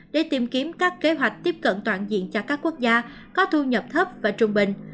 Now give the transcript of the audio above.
để tìm kiếm các kế hoạch tiếp cận toàn diện cho các quốc gia có thu nhập thấp và trung bình